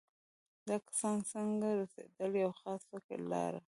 دا کسان څنګه رسېدل یو خاص فکر لاره.